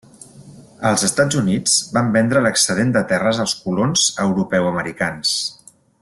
Els Estats Units van vendre l'excedent de terres als colons europeu-americans.